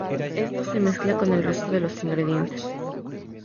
Esto se mezcla con el resto de los ingredientes.